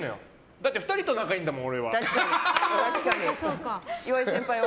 だって２人と仲いいんだもん。